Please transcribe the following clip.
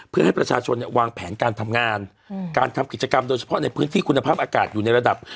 เพื่อให้ประชาชนเนี่ยวางแผนการทำงานการทำกิจกรรมโดยเฉพาะในพื้นที่คุณภาพอากาศอยู่ในระดับ